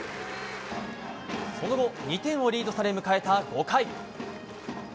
その後、２点をリードされ迎えた５回。